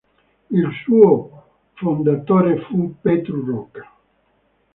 Il suo fondatore fu Petru Rocca.